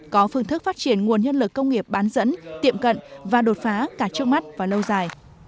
có phương thức phát triển nguồn nhân lực công nghiệp bán dẫn tiệm cận và đột phá cả trước mắt và lâu dài